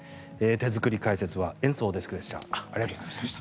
手作り解説は延増デスクでした。